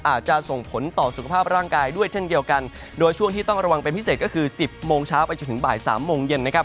อาจจะส่งผลต่อสุขภาพร่างกายด้วยเช่นเดียวกันโดยช่วงที่ต้องระวังเป็นพิเศษก็คือสิบโมงเช้าไปจนถึงบ่ายสามโมงเย็นนะครับ